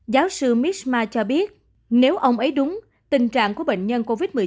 giáo sư misma cho biết nếu ông ấy đúng tình trạng của bệnh nhân covid một mươi chín